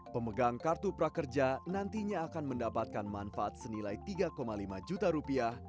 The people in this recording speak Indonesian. pemegang kartu prakerja nantinya akan mendapatkan manfaat senilai tiga lima juta rupiah